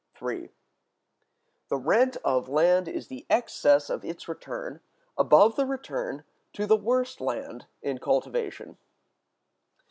§ 3. The Rent of Land is the Excess of its Return above the Return to the worst Land in Cultivation.